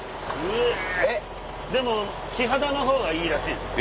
でもキハダのほうがいいらしいです。